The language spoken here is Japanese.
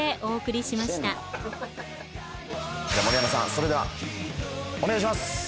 それではお願いします